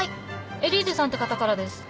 エリーゼさんって方からです。